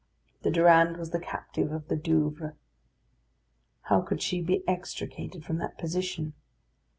The Durande was the captive of the Douvres. How could she be extricated from that position?